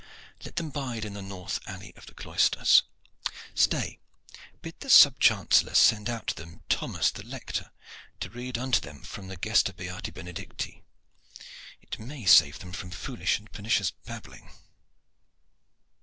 "Let them bide in the north alley of the cloisters. Stay! Bid the sub chancellor send out to them Thomas the lector to read unto them from the 'Gesta beati Benedicti.' It may save them from foolish and pernicious babbling."